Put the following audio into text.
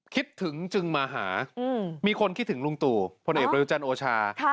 คิดถึงจึงมาหามีคนคิดถึงลุงตู่พลเอกประยุจันทร์โอชา